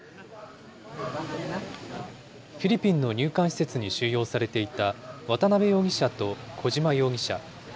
フィリピンの入管施設に収容されていた渡邉容疑者と小島容疑者。